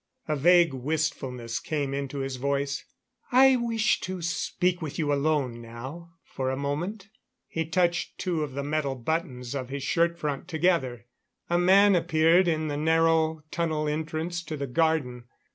A vague wistfulness came into his voice. "I wish to speak with you alone now for a moment." He touched two of the metal buttons of his shirt front together. A man appeared in the narrow tunnel entrance to the garden.